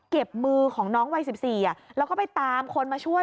มือของน้องวัย๑๔แล้วก็ไปตามคนมาช่วย